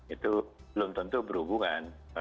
itu belum tentu berhubungan